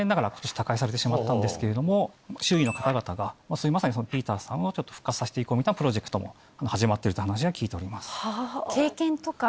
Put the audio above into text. されてしまったんですけれども周囲の方々がまさにピーターさんを復活させて行こうみたいなプロジェクトも始まっているという話は聞いております。